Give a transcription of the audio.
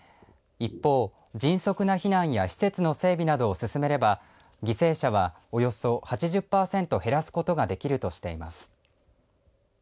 一方、迅速な避難や施設の整備などを進めれば犠牲者はおよそ８０パーセント減らすことができるとしています。